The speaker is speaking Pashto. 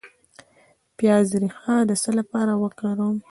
د پیاز ریښه د څه لپاره وکاروم؟